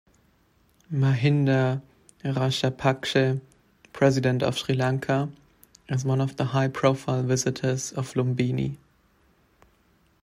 Mahinda Rajapakshe, President of Sri Lanka is one of the high-profile visitor of Lumbini.